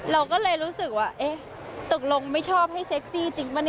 เราก็เลยรู้สึกว่าตกลงไม่ชอบให้เซ็กซี่จริงป่ะ